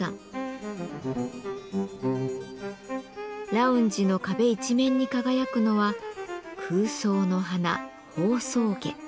ラウンジの壁一面に輝くのは空想の花宝相華。